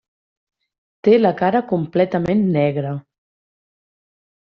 Té la cara completament negra.